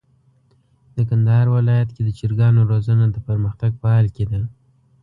د کندهار ولايت کي د چرګانو روزنه د پرمختګ په حال کي ده.